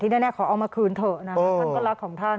ด้วยแน่ขอเอามาคืนเถอะนั่นความรักของท่าน